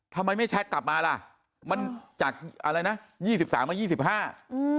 ทำไมไม่แชทกลับมาล่ะมันจากอะไรนะยี่สิบสามมายี่สิบห้าอืม